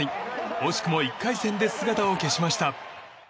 惜しくも１回戦で姿を消しました。